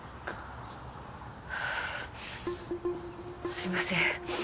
すいません